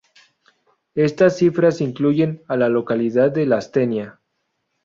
Estas cifras incluyen a la localidad de Lastenia.